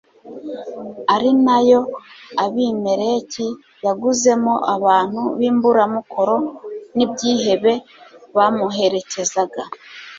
ari na yo abimeleki yaguzemo abantu b'imburamukoro n'ibyihebe, bamuherekezaga